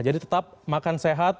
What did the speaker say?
jadi tetap makan sehat